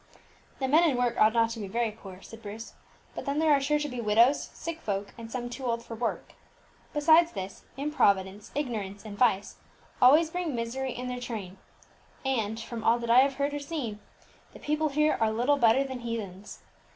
"The men in work ought not to be very poor," said Bruce; "but then there are sure to be widows, sick folk, and some too old for work. Besides this, improvidence, ignorance, and vice always bring misery in their train, and, from all that I have heard or seen, the people here are little better than heathens.